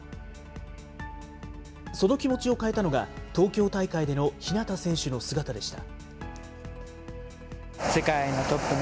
その気持ちを変えたのが、東京大会での日向選手の姿でした。